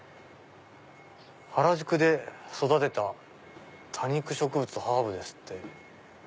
「原宿で育てた多肉植物とハーブ」ですって。